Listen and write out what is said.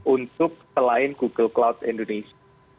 untuk selain google cloud indonesia